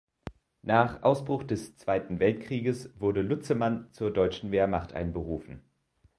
Nach Ausbruch des Zweiten Weltkrieges wurde Luzemann zur deutschen Wehrmacht einberufen.